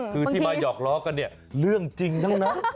คือที่มาหยอกล้อกันเรื่องจริงนั้น